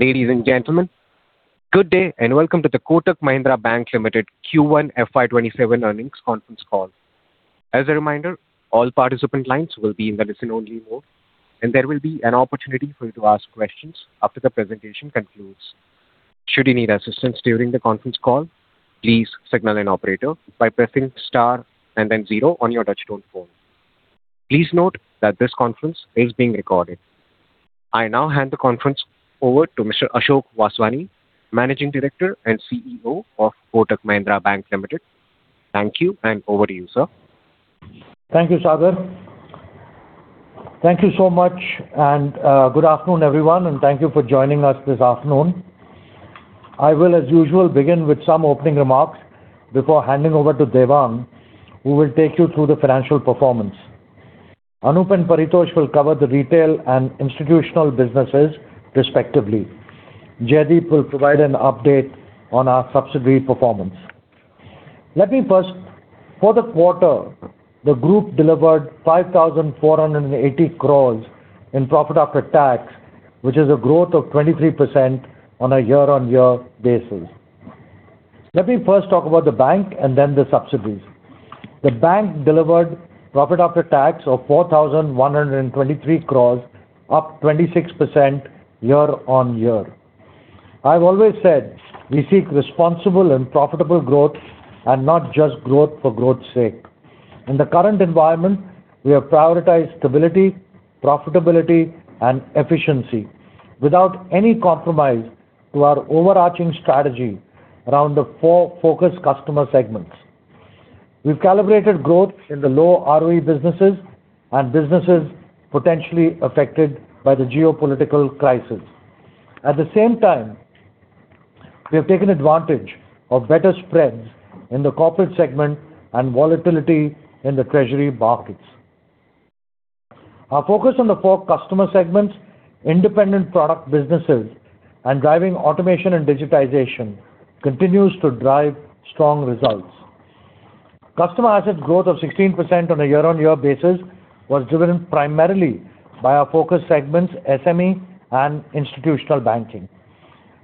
Ladies and gentlemen, good day. Welcome to the Kotak Mahindra Bank Limited Q1 FY 2027 earnings conference call. As a reminder, all participant lines will be in the listen-only mode. There will be an opportunity for you to ask questions after the presentation concludes. Should you need assistance during the conference call, please signal an operator by pressing star and then zero on your touch-tone phone. Please note that this conference is being recorded. I now hand the conference over to Mr. Ashok Vaswani, Managing Director and CEO of Kotak Mahindra Bank Limited. Thank you, and over to you, sir. Thank you, Chhagan. Thank you so much. Good afternoon, everyone. Thank you for joining us this afternoon. I will, as usual, begin with some opening remarks before handing over to Devang, who will take you through the financial performance. Anup and Paritosh will cover the retail and institutional businesses respectively. Jaideep will provide an update on our subsidiary performance. For the quarter, the group delivered 5,480 crore in profit after tax, which is a growth of 23% on a year-on-year basis. Let me first talk about the bank and then the subsidiaries. The bank delivered profit after tax of 4,123 crore, up 26% year-on-year. I've always said we seek responsible and profitable growth. Not just growth for growth's sake. In the current environment, we have prioritized stability, profitability, and efficiency without any compromise to our overarching strategy around the four focus customer segments. We've calibrated growth in the low ROE businesses and businesses potentially affected by the geopolitical crisis. At the same time, we have taken advantage of better spreads in the corporate segment and volatility in the treasury markets. Our focus on the four customer segments, independent product businesses, and driving automation and digitization continues to drive strong results. Customer assets growth of 16% on a year-on-year basis was driven primarily by our focus segments SME and institutional banking.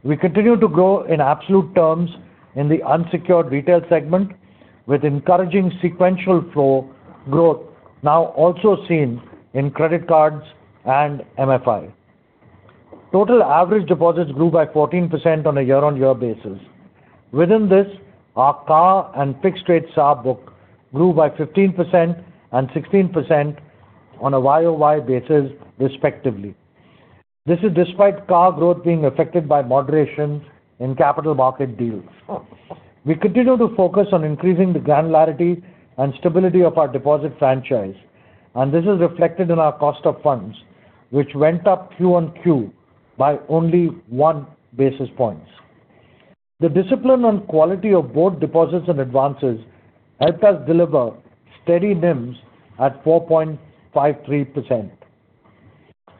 We continue to grow in absolute terms in the unsecured retail segment, with encouraging sequential flow growth now also seen in credit cards and MFI. Total average deposits grew by 14% on a year-on-year basis. Within this, our CASA and fixed rate SA book grew by 15% and 16% on a year-on-year basis respectively. This is despite CASA growth being affected by moderation in capital market deals. We continue to focus on increasing the granularity and stability of our deposit franchise. This is reflected in our cost of funds, which went up quarter-on-quarter by only one basis point. The discipline on quality of both deposits and advances helped us deliver steady NIMs at 4.53%. I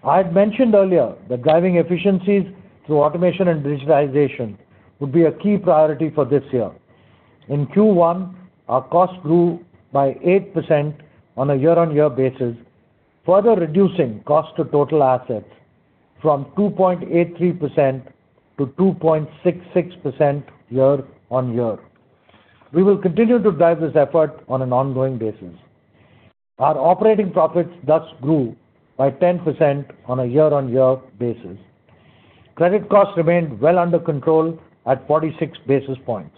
had mentioned earlier that driving efficiencies through automation and digitization would be a key priority for this year. In Q1, our costs grew by 8% on a year-on-year basis, further reducing cost to total assets from 2.83% to 2.66% year-on-year. We will continue to drive this effort on an ongoing basis. Our operating profits thus grew by 10% on a year-on-year basis. Credit costs remained well under control at 46 basis points.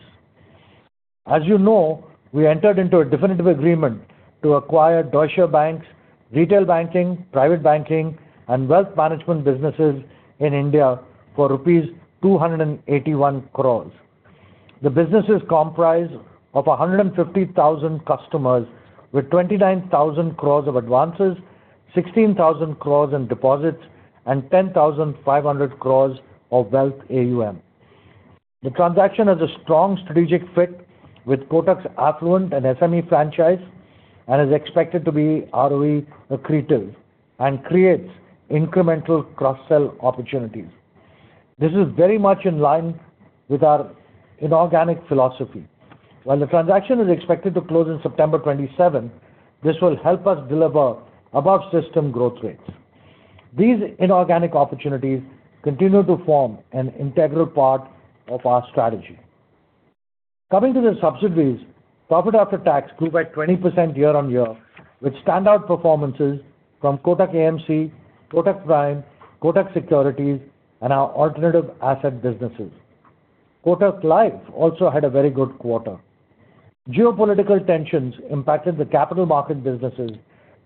As you know, we entered into a definitive agreement to acquire Deutsche Bank's retail banking, private banking, and wealth management businesses in India for rupees 281 crore. The businesses comprise of 150,000 customers with 29,000 crore of advances, 16,000 crore in deposits, and 10,500 crore of wealth AUM. The transaction is a strong strategic fit with Kotak's affluent and SME franchise and is expected to be ROE accretive and creates incremental cross-sell opportunities. This is very much in line with our inorganic philosophy. While the transaction is expected to close in September 2027, this will help us deliver above-system growth rates. These inorganic opportunities continue to form an integral part of our strategy. Coming to the subsidiaries, profit after tax grew by 20% year-on-year, with standout performances from Kotak AMC, Kotak Prime, Kotak Securities, and our alternative asset businesses. Kotak Life also had a very good quarter. Geopolitical tensions impacted the capital market businesses,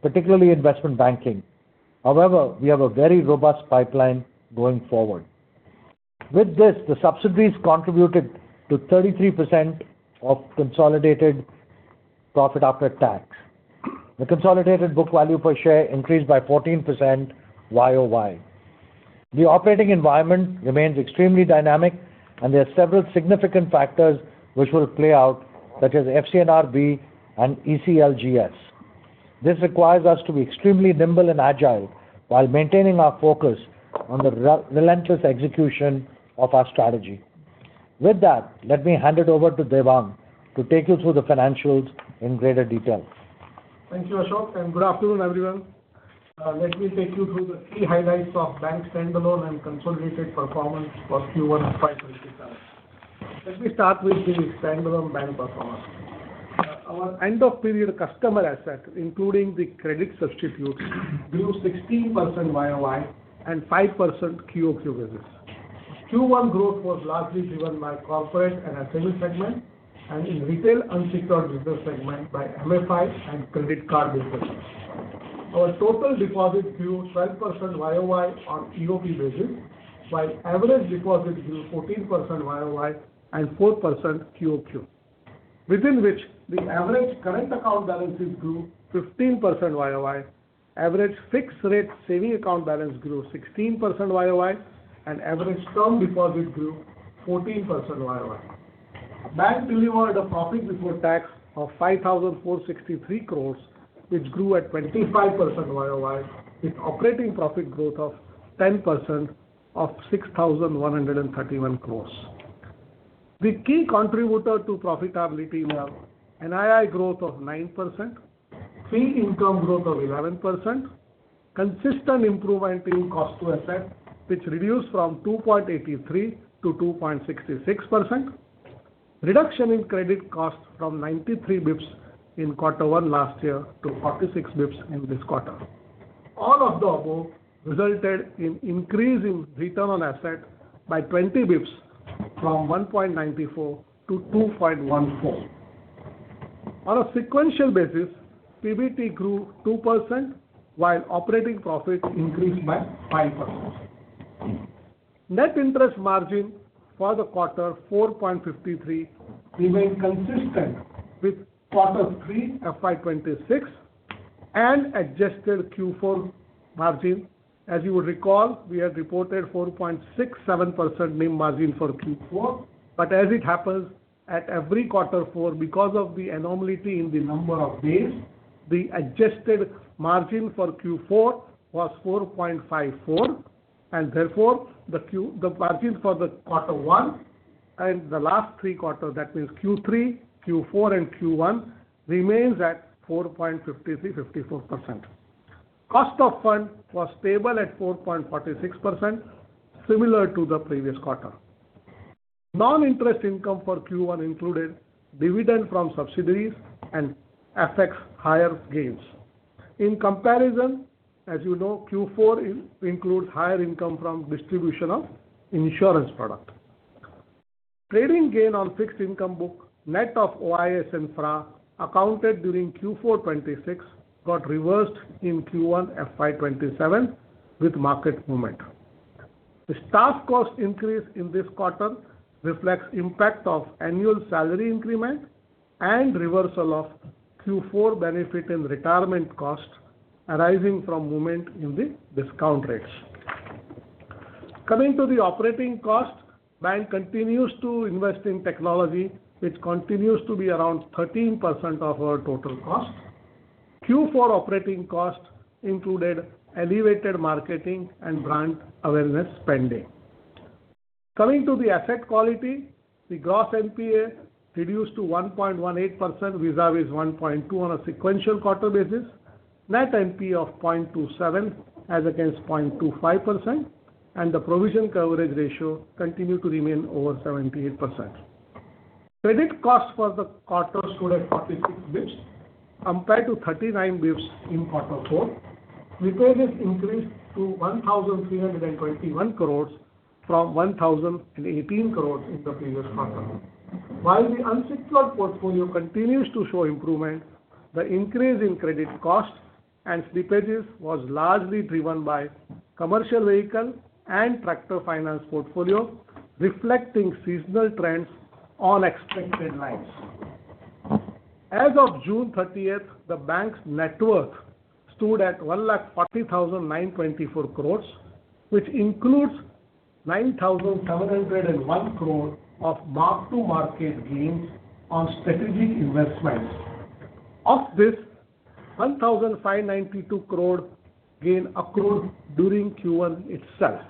particularly investment banking. However, we have a very robust pipeline going forward. With this, the subsidiaries contributed to 33% of consolidated profit after tax. The consolidated book value per share increased by 14% year-on-year. The operating environment remains extremely dynamic, and there are several significant factors which will play out, such as FCNR(B) and ECLGS. This requires us to be extremely nimble and agile while maintaining our focus on the relentless execution of our strategy. With that, let me hand it over to Devang to take you through the financials in greater detail. Thank you, Ashok, and good afternoon, everyone. Let me take you through the key highlights of bank standalone and consolidated performance for Q1 FY 2027. Let me start with the standalone bank performance. Our end of period customer assets, including the credit substitutes, grew 16% year-on-year and 5% quarter-on-quarter basis. Q1 growth was largely driven by corporate and retail segments, and in retail unsecured business segment by MFI and credit card businesses. Our total deposits grew 12% year-on-year on year-on-year basis, while average deposits grew 14% year-on-year and 4% quarter-on-quarter, within which the average current account balances grew 15% year-on-year, average fixed-rate savings account balance grew 16% year-on-year, and average term deposits grew 14% year-on-year. Bank delivered a profit before tax of 5,463 crore, which grew at 25% year-on-year, with operating profit growth of 10% of 6,131 crore. The key contributors to profitability were NII growth of 9%, fee income growth of 11%, consistent improvement in cost-to-asset, which reduced from 2.83% to 2.66%. Reduction in credit cost from 93 basis points in Q1 last year to 46 basis points in this quarter. All of the above resulted in increase in return on asset by 20 basis points from 1.94 to 2.14. On a sequential basis, PBT grew 2%, while operating profit increased by 5%. Net interest margin for the quarter, 4.53, remained consistent with Q3 FY 2026 and adjusted Q4 margin. As you would recall, we had reported 4.67% NIM margin for Q4, but as it happens at every quarter four, because of the anomaly in the number of days, the adjusted margin for Q4 was 4.54%, and therefore the margin for the quarter one and the last three quarters, that means Q3, Q4, and Q1, remains at 4.53%-4.54%. Cost of fund was stable at 4.46%, similar to the previous quarter. Non-interest income for Q1 included dividend from subsidiaries and FX higher gains. In comparison, as you know, Q4 includes higher income from distribution of insurance product. Trading gain on fixed income book, net of OIS and FRA accounted during Q4 FY 2026 got reversed in Q1 FY 2027 with market movement. The staff cost increase in this quarter reflects impact of annual salary increment and reversal of Q4 benefit and retirement cost arising from movement in the discount rates. Coming to the operating cost, bank continues to invest in technology, which continues to be around 13% of our total cost. Q4 operating cost included elevated marketing and brand awareness spending. Coming to the asset quality, the gross NPA reduced to 1.18% vis-à-vis 1.2% on a sequential quarter basis. Net NPA of 0.27% as against 0.25%, and the provision coverage ratio continues to remain over 78%. Credit cost for the quarter stood at 46 basis points compared to 39 basis points in quarter four. Repayments increased to 1,321 crore from 1,018 crore in the previous quarter. While the unsecured portfolio continues to show improvement, the increase in credit costs and slippages was largely driven by commercial vehicle and tractor finance portfolio, reflecting seasonal trends on expected lines. As of June 30th, the bank's network stood at 140,924 crore, which includes 9,701 crore of mark-to-market gains on strategic investments. Of this, 1,592 crore gain accrued during Q1 itself.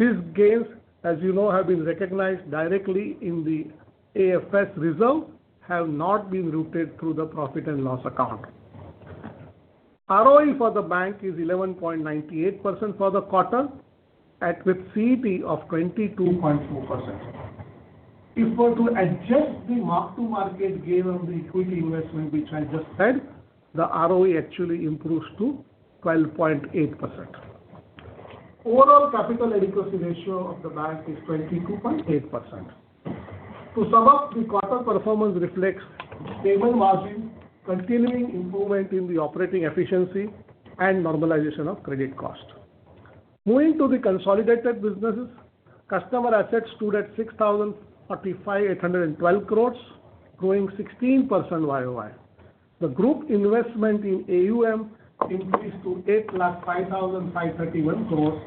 These gains, as you know, have been recognized directly in the AFS reserve, have not been routed through the profit and loss account. ROE for the bank is 11.98% for the quarter with CET of 22.4%. If we're to adjust the mark-to-market gain on the equity investment, which I just said, the ROE actually improves to 12.8%. Overall capital adequacy ratio of the bank is 22.8%. To sum up, the quarter performance reflects stable margin, continuing improvement in the operating efficiency and normalization of credit cost. Moving to the consolidated businesses, customer assets stood at 635,812 crore, growing 16% year-on-year. The group investment in AUM increased to 8,05,531 crore,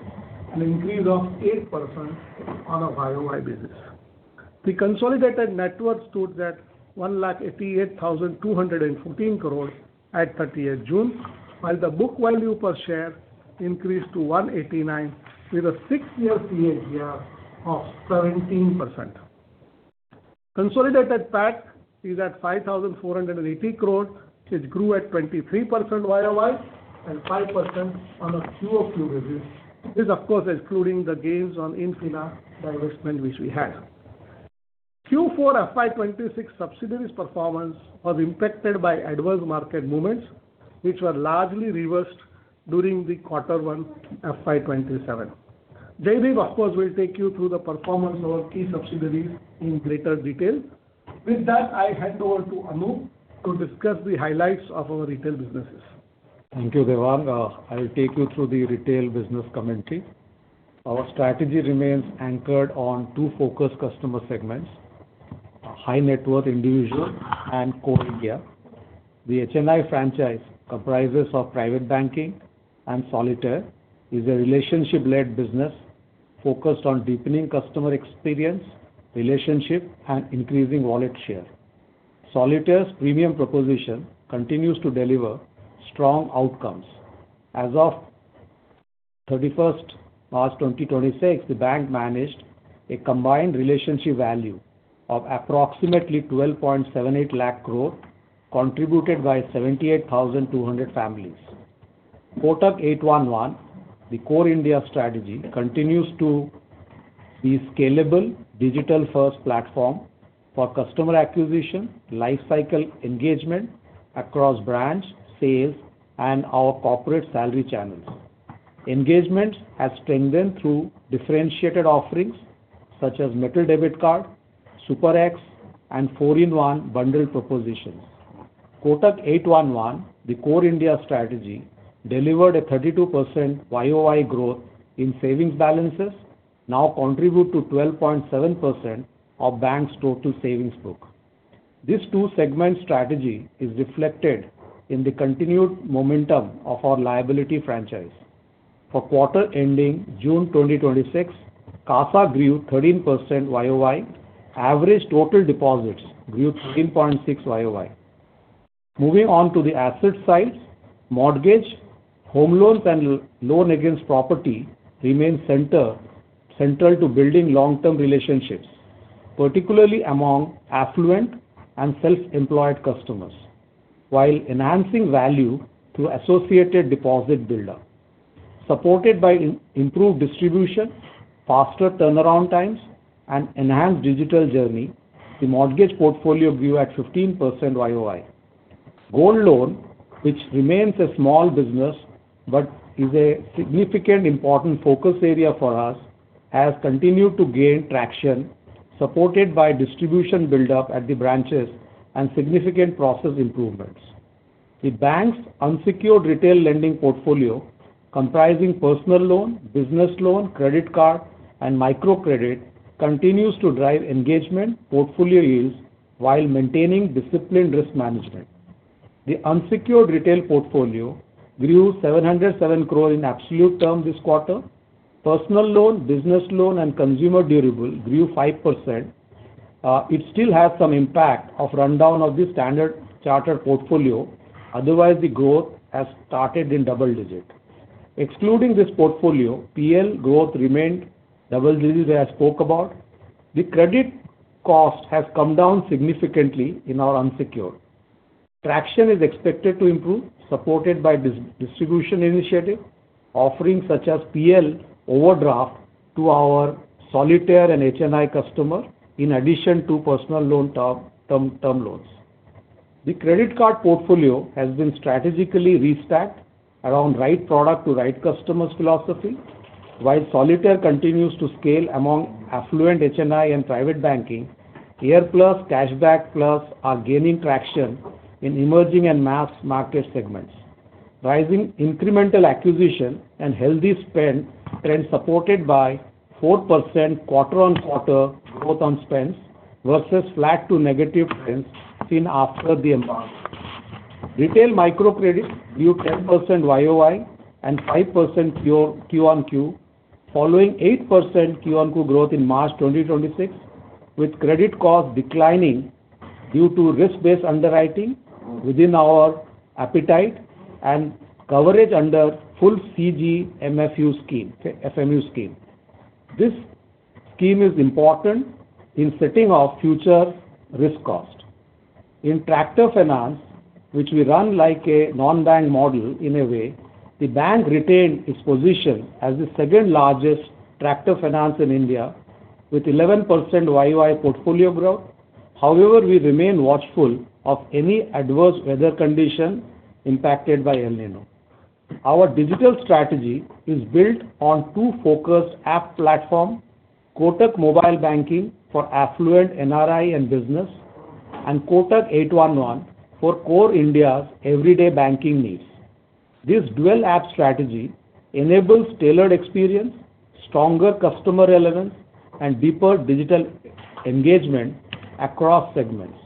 an increase of 8% on a year-on-year basis. The consolidated network stood at 1,88,214 crore at 30th June, while the book value per share increased to 189 with a six-year CAGR of 17%. Consolidated PAT is at 5,480 crore, which grew at 23% year-on-year and 5% on a quarter-on-quarter basis. This, of course, including the gains on Infina divestment which we had. Q4 FY 2026 subsidiaries performance was impacted by adverse market movements, which were largely reversed during Q1 FY 2027. Jaideep, of course, will take you through the performance of our key subsidiaries in greater detail. With that, I hand over to Anup to discuss the highlights of our retail businesses. Thank you, Devang. I will take you through the retail business commentary. Our strategy remains anchored on two focus customer segments, high-net-worth individual and Core India. The HNI franchise comprises of private banking and Solitaire. It is a relationship-led business focused on deepening customer experience, relationship, and increasing wallet share. Solitaire's premium proposition continues to deliver strong outcomes. As of 31st March 2026, the bank managed a combined relationship value of approximately 12.78 lakh crore, contributed by 78,200 families. Kotak 811, the Core India strategy, continues to be scalable digital-first platform for customer acquisition, life cycle engagement across branch, sales, and our corporate salary channels. Engagement has strengthened through differentiated offerings such as metal debit card, Super X, and four-in-one bundled propositions. Kotak 811, the Core India strategy, delivered a 32% year-on-year growth in savings balances, now contribute to 12.7% of bank's total savings book. These two segment strategy is reflected in the continued momentum of our liability franchise. For quarter ending June 2026, CASA grew 13% year-on-year. Average total deposits grew 13.6% year-on-year. Moving on to the asset side, mortgage, home loans, and loan against property remain central to building long-term relationships, particularly among affluent and self-employed customers, while enhancing value through associated deposit buildup. Supported by improved distribution, faster turnaround times, and enhanced digital journey, the mortgage portfolio grew at 15% year-on-year. Gold loan, which remains a small business but is a significant important focus area for us, has continued to gain traction, supported by distribution buildup at the branches and significant process improvements. The bank's unsecured retail lending portfolio, comprising personal loan, business loan, credit card, and microcredit, continues to drive engagement portfolio yields while maintaining disciplined risk management. The unsecured retail portfolio grew 707 crore in absolute terms this quarter. Personal loan, business loan, and consumer durable grew 5%. It still has some impact of rundown of the Standard Chartered portfolio. Otherwise, the growth has started in double digit. Excluding this portfolio, PL growth remained double digit as I spoke about. The credit cost has come down significantly in our unsecured. Traction is expected to improve, supported by distribution initiative, offerings such as PL overdraft to our Solitaire and HNI customer, in addition to personal term loans. The credit card portfolio has been strategically restacked around right product to right customers philosophy. While Solitaire continues to scale among affluent HNI and private banking, Air+, Cashback+ are gaining traction in emerging and mass market segments. Rising incremental acquisition and healthy spend trends supported by 4% quarter-on-quarter growth on spends versus flat to negative trends seen after the embargo. Retail microcredit grew 10% year-on-year and 5% quarter-on-quarter, following 8% quarter-on-quarter growth in March 2026, with credit cost declining due to risk-based underwriting within our appetite and coverage under full CGFMU scheme. This scheme is important in setting off future risk cost. In tractor finance, which we run like a non-bank model, in a way, the bank retained its position as the second largest tractor finance in India with 11% year-on-year portfolio growth. However, we remain watchful of any adverse weather condition impacted by El Niño. Our digital strategy is built on two focused app platform, Kotak Mobile Banking for affluent NRI and business and Kotak 811 for Core India's everyday banking needs. This dual app strategy enables tailored experience, stronger customer relevance, and deeper digital engagement across segments.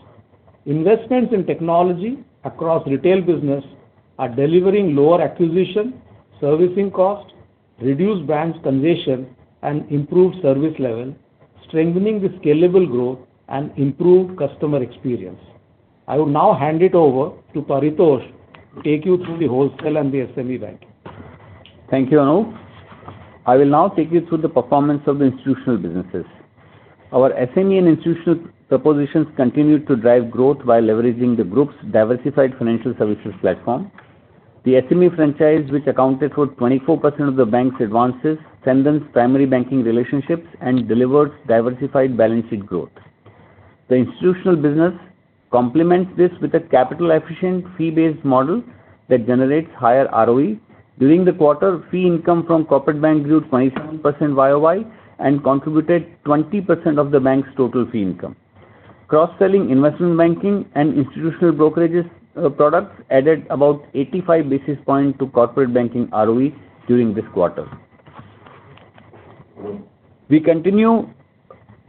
Investments in technology across retail business are delivering lower acquisition, servicing cost, reduced branch congestion and improved service level, strengthening the scalable growth and improved customer experience. I will now hand it over to Paritosh to take you through the wholesale and the SME bank. Thank you, Anup. I will now take you through the performance of the institutional businesses. Our SME and institutional propositions continued to drive growth while leveraging the group's diversified financial services platform. The SME franchise, which accounted for 24% of the bank's advances, strengthens primary banking relationships and delivers diversified balance sheet growth. The institutional business complements this with a capital-efficient fee-based model that generates higher ROE. During the quarter, fee income from corporate bank grew 27% year-on-year and contributed 20% of the bank's total fee income. Cross-selling investment banking and institutional brokerages products added about 85 basis points to corporate banking ROE during this quarter.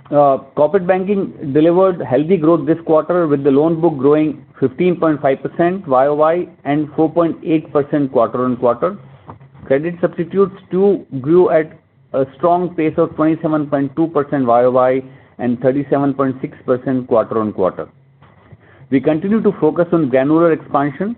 Corporate banking delivered healthy growth this quarter with the loan book growing 15.5% year-on-year and 4.8% quarter-on-quarter. Credit substitutes too grew at a strong pace of 27.2% year-on-year and 37.6% quarter-on-quarter. We continue to focus on granular expansion.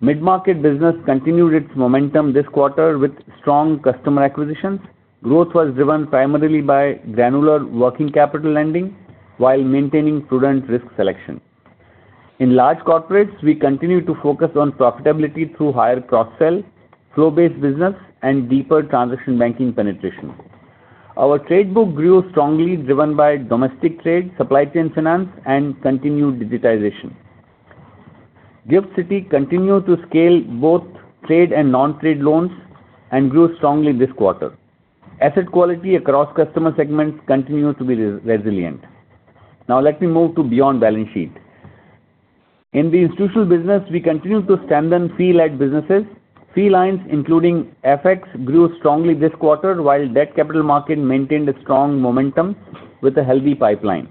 Mid-market business continued its momentum this quarter with strong customer acquisitions. Growth was driven primarily by granular working capital lending while maintaining prudent risk selection. In large corporates, we continue to focus on profitability through higher cross-sell, flow-based business, and deeper transaction banking penetration. Our trade book grew strongly driven by domestic trade, supply chain finance, and continued digitization. Gift City continued to scale both trade and non-trade loans and grew strongly this quarter. Asset quality across customer segments continues to be resilient. Now let me move to beyond balance sheet. In the institutional business, we continue to strengthen fee-led businesses. Fee lines including FX grew strongly this quarter while debt capital market maintained a strong momentum with a healthy pipeline.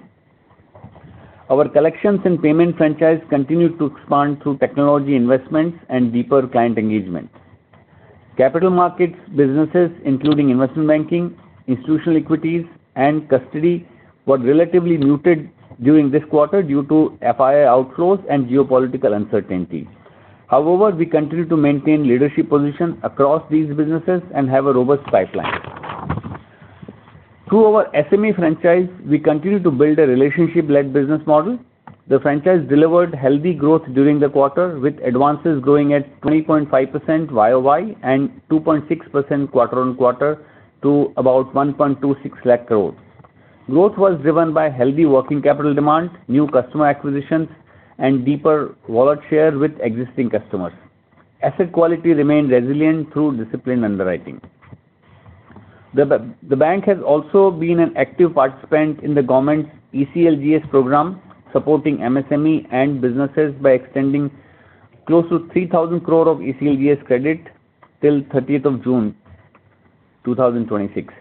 Our collections and payment franchise continued to expand through technology investments and deeper client engagement. Capital markets businesses, including investment banking, institutional equities, and custody, were relatively muted during this quarter due to FII outflows and geopolitical uncertainty. However, we continue to maintain leadership position across these businesses and have a robust pipeline. Through our SME franchise, we continue to build a relationship-led business model. The franchise delivered healthy growth during the quarter, with advances growing at 20.5% year-on-year and 2.6% quarter-on-quarter to about 1.26 lakh crore. Growth was driven by healthy working capital demand, new customer acquisitions, and deeper wallet share with existing customers. Asset quality remained resilient through disciplined underwriting. The bank has also been an active participant in the government's ECLGS program, supporting MSME and businesses by extending close to 3,000 crore of ECLGS credit till 30th of June 2026.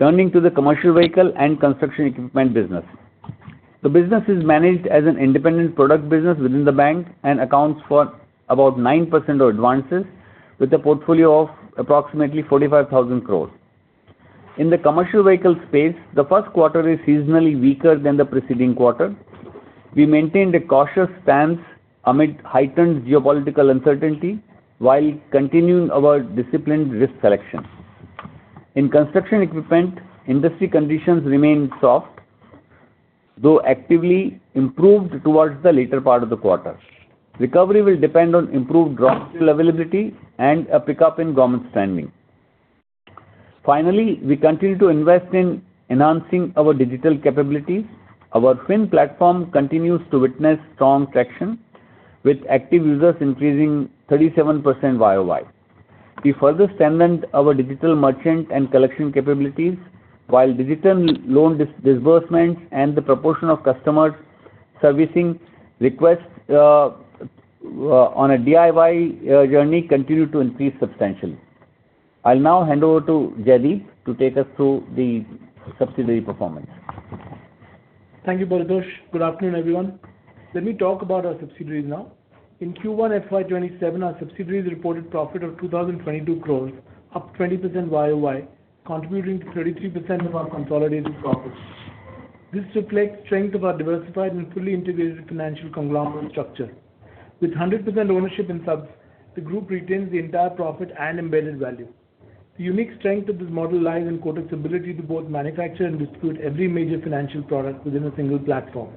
Turning to the commercial vehicle and construction equipment business. The business is managed as an independent product business within the bank and accounts for about 9% of advances with a portfolio of approximately 45,000 crore. In the commercial vehicle space, the first quarter is seasonally weaker than the preceding quarter. We maintained a cautious stance amid heightened geopolitical uncertainty while continuing our disciplined risk selection. In construction equipment, industry conditions remained soft, though actively improved towards the latter part of the quarter. Recovery will depend on improved raw material availability and a pickup in government spending. Finally, we continue to invest in enhancing our digital capabilities. Our fyn platform continues to witness strong traction, with active users increasing 37% year-on-year. We further strengthened our digital merchant and collection capabilities, while digital loan disbursements and the proportion of customer servicing requests on a DIY journey continued to increase substantially. I'll now hand over to Jaideep to take us through the subsidiary performance. Thank you, Paritosh. Good afternoon, everyone. Let me talk about our subsidiaries now. In Q1 FY 2027, our subsidiaries reported profit of 2,022 crore, up 20% year-on-year, contributing to 33% of our consolidated profits. This reflects strength of our diversified and fully integrated financial conglomerate structure. With 100% ownership in subs, the group retains the entire profit and embedded value. The unique strength of this model lies in Kotak's ability to both manufacture and distribute every major financial product within a single platform.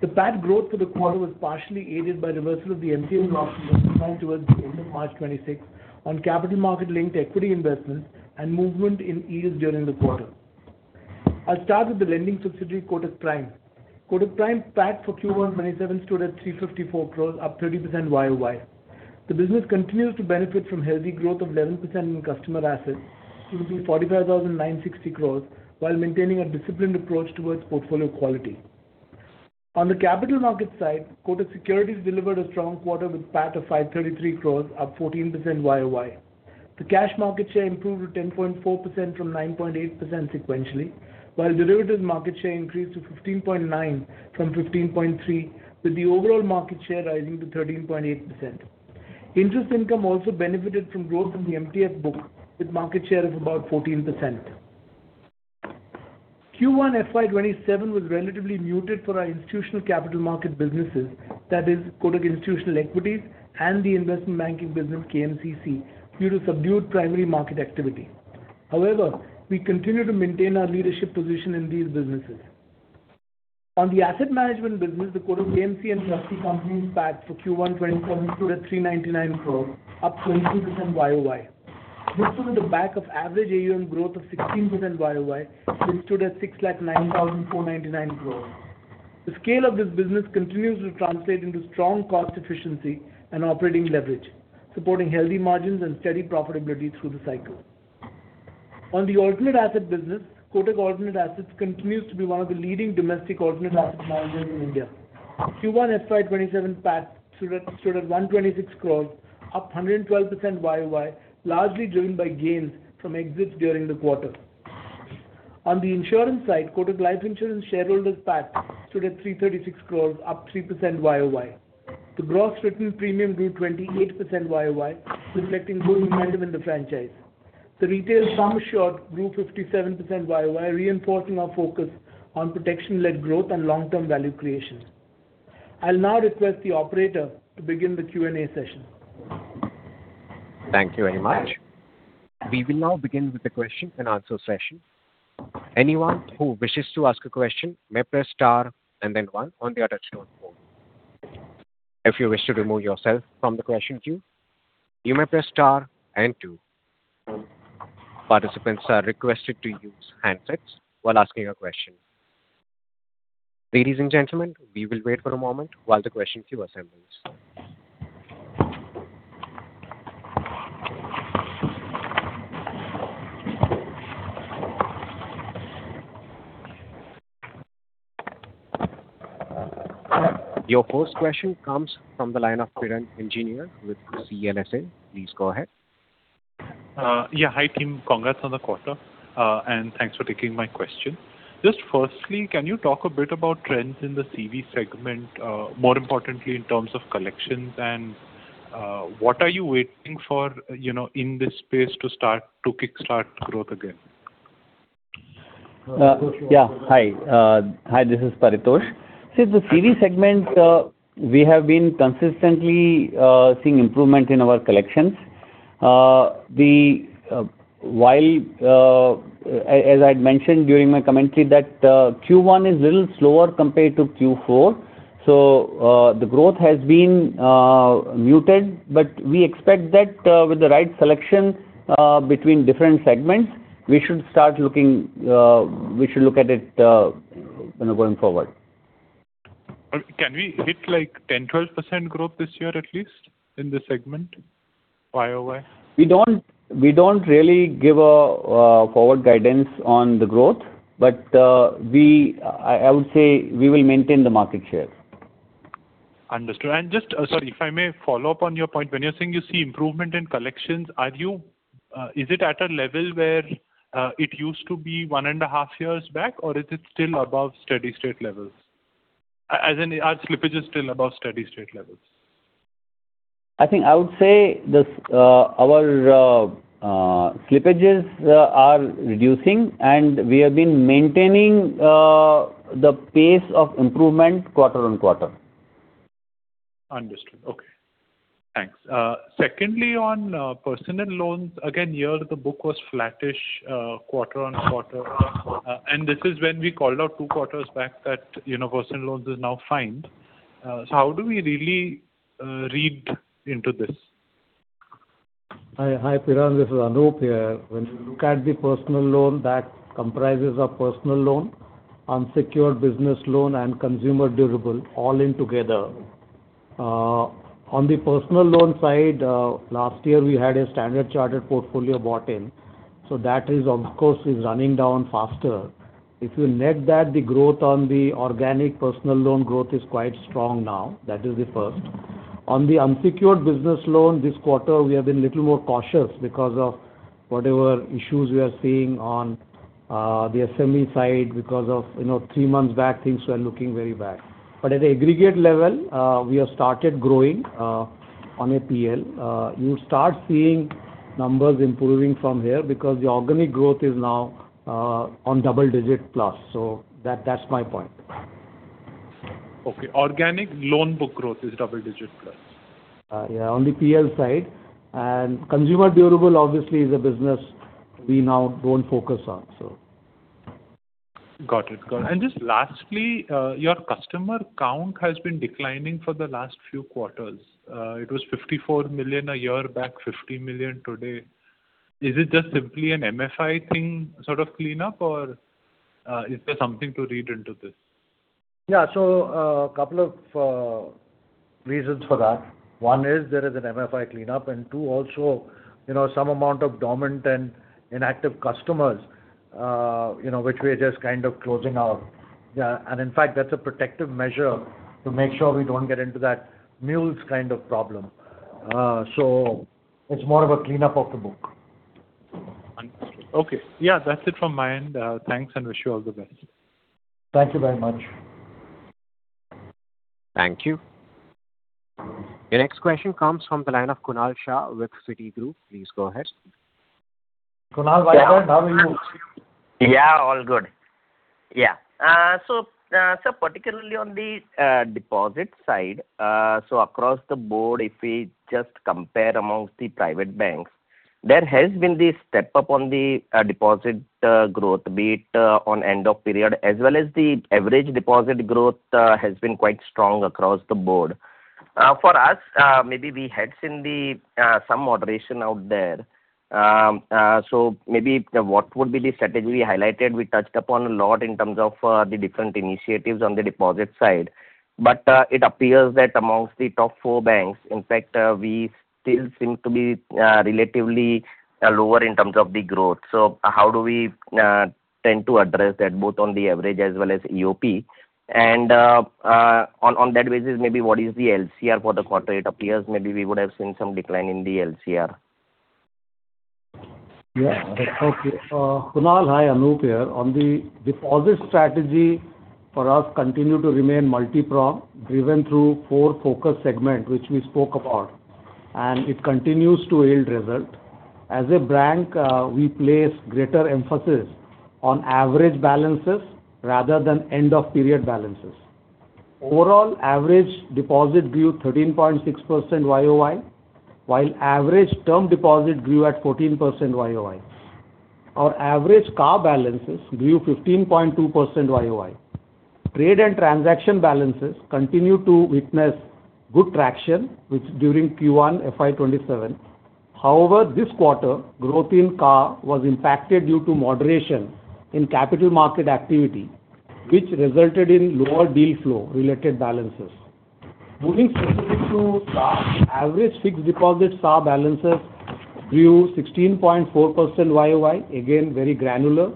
The PAT growth for the quarter was partially aided by reversal of the MTF loss recognized towards the end of March 2026 on capital market-linked equity investments and movement in ease during the quarter. I'll start with the lending subsidiary, Kotak Prime. Kotak Prime PAT for Q1 2027 stood at 354 crore, up 30% year-on-year. The business continues to benefit from healthy growth of 11% in customer assets to 45,960 crore while maintaining a disciplined approach towards portfolio quality. On the capital markets side, Kotak Securities delivered a strong quarter with PAT of 533 crore, up 14% year-on-year. The cash market share improved to 10.4% from 9.8% sequentially, while derivatives market share increased to 15.9% from 15.3%, with the overall market share rising to 13.8%. Interest income also benefited from growth in the MTF book with market share of about 14%. Q1 FY 2027 was relatively muted for our institutional capital market businesses, that is Kotak Institutional Equities and the investment banking business KMCC, due to subdued primary market activity. However, we continue to maintain our leadership position in these businesses. On the asset management business, the Kotak AMC and Trustee Company PAT for Q1 2027 stood at 399 crore, up 22% year-over-year. This was on the back of average AUM growth of 16% year-over-year, which stood at 609,499 crore. The scale of this business continues to translate into strong cost efficiency and operating leverage, supporting healthy margins and steady profitability through the cycle. On the alternate asset business, Kotak Alternate Assets continues to be one of the leading domestic alternate asset managers in India. Q1 FY 2027 PAT stood at 126 crore, up 112% year-over-year, largely driven by gains from exits during the quarter. On the insurance side, Kotak Life Insurance shareholder's PAT stood at 336 crore, up 3% year-over-year. The gross written premium grew 28% year-over-year, reflecting good momentum in the franchise. The retail term assured grew 57% year-over-year, reinforcing our focus on protection-led growth and long-term value creation. I'll now request the operator to begin the Q&A session. Thank you very much. We will now begin with the question and answer session. Anyone who wishes to ask a question may press star and then one on their touch-tone phone. If you wish to remove yourself from the question queue, you may press star and two. Participants are requested to use handsets while asking a question. Ladies and gentlemen, we will wait for a moment while the question queue assembles. Your first question comes from the line of Piran Engineer with CLSA. Please go ahead. Yeah. Hi, team. Congrats on the quarter. Thanks for taking my question. Just firstly, can you talk a bit about trends in the CV segment, more importantly in terms of collections and what are you waiting for in this space to kickstart growth again? Yeah. Hi. This is Paritosh. See, the CV segment, we have been consistently seeing improvement in our collections. As I'd mentioned during my commentary that Q1 is a little slower compared to Q4, the growth has been muted. We expect that with the right selection between different segments, we should look at it going forward. Can we hit 10%, 12% growth this year at least in this segment year-on-year? We don't really give a forward guidance on the growth, but I would say we will maintain the market share. Understood. Just, sorry if I may follow up on your point. When you're saying you see improvement in collections, is it at a level where it used to be one and a half years back, or is it still above steady state levels? As in, are slippages still above steady state levels? I think I would say, our slippages are reducing, and we have been maintaining the pace of improvement quarter on quarter. Understood. Okay. Thanks. Secondly, on personal loans, again, here the book was flattish quarter on quarter, and this is when we called out two quarters back that personal loans is now fine. How do we really read into this? Hi, Piran. This is Anup here. When you look at the personal loan that comprises of personal loan, unsecured business loan, and consumer durable, all in together. On the personal loan side, last year we had a Standard Chartered portfolio bought in, so that of course is running down faster. If you net that, the growth on the organic personal loan growth is quite strong now. That is the first. On the unsecured business loan this quarter, we have been little more cautious because of whatever issues we are seeing on the SME side because of three months back, things were looking very bad. At aggregate level, we have started growing on a PL. You'll start seeing numbers improving from here because the organic growth is now on double digit plus, so that's my point. Okay. Organic loan book growth is double digit plus. Yeah. On the PL side. Consumer durable obviously is a business we now don't focus on. Got it. Just lastly, your customer count has been declining for the last few quarters. It was 54 million a year back, 50 million today. Is it just simply an MFI thing sort of cleanup, or is there something to read into this? Yeah. A couple of reasons for that. One is there is an MFI cleanup, and two, also some amount of dormant and inactive customers which we're just kind of closing out. Yeah. In fact, that's a protective measure to make sure we don't get into that mules kind of problem. It's more of a cleanup of the book. Understood. Okay. Yeah, that's it from my end. Thanks, and wish you all the best. Thank you very much. Thank you. Your next question comes from the line of Kunal Shah with Citigroup. Please go ahead. Kunal, how are you? Yeah, all good. Particularly on the deposit side, across the board, if we just compare amongst the private banks, there has been this step up on the deposit growth, be it on end of period as well as the average deposit growth has been quite strong across the board. For us, maybe we had seen some moderation out there. Maybe what would be the strategy highlighted? We touched upon a lot in terms of the different initiatives on the deposit side, it appears that amongst the top four banks, in fact, we still seem to be relatively lower in terms of the growth. How do we tend to address that both on the average as well as EOP? On that basis, maybe what is the LCR for the quarter? It appears maybe we would have seen some decline in the LCR. Yeah. Okay. Kunal, hi. Anup, here. On the deposit strategy for us continue to remain multi-pronged, driven through four focus segments, which we spoke about, and it continues to yield results. As a bank, we place greater emphasis on average balances rather than end of period balances. Overall average deposit grew 13.6% year-on-year, while average term deposit grew at 14% year-on-year. Our average CASA balances grew 15.2% year-on-year. Trade and transaction balances continue to witness good traction during Q1 FY 2027. However, this quarter, growth in CASA was impacted due to moderation in capital market activity, which resulted in lower deal flow related balances. Moving specific to CASA, average fixed deposit CASA balances grew 16.4% year-on-year, again, very granular,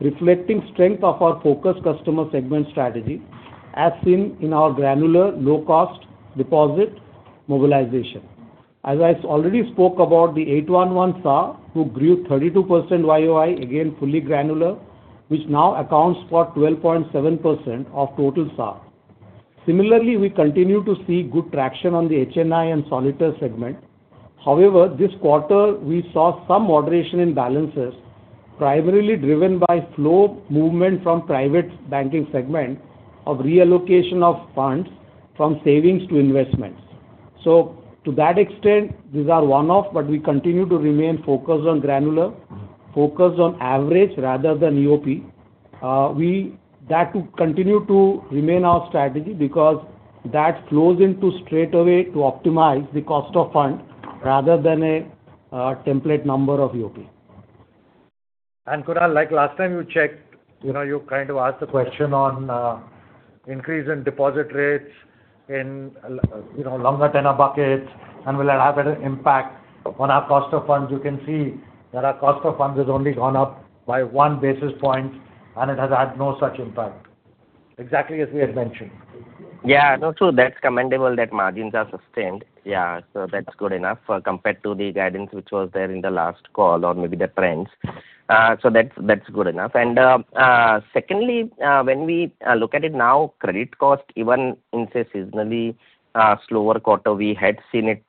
reflecting strength of our focus customer segment strategy as seen in our granular low-cost deposit mobilization. As I already spoke about the 811 CASA who grew 32% year-on-year, again, fully granular, which now accounts for 12.7% of total CASA. Similarly, we continue to see good traction on the HNI and Solitaire segment. However, this quarter, we saw some moderation in balances, primarily driven by flow movement from private banking segment of reallocation of funds from savings to investments. To that extent, these are one-off, but we continue to remain focused on granular, focused on average rather than EOP. That will continue to remain our strategy because that flows into straightaway to optimize the cost of funds rather than a template number of EOP. Kunal, like last time you checked, you kind of asked the question on increase in deposit rates in longer tenure buckets and will it have an impact on our cost of funds. You can see that our cost of funds has only gone up by one basis point. It has had no such impact. Exactly as we had mentioned. Yeah. No, true. That's commendable that margins are sustained. Yeah. That's good enough compared to the guidance which was there in the last call or maybe the trends. That's good enough. Secondly, when we look at it now, credit cost, even in, say, seasonally slower quarter, we had seen it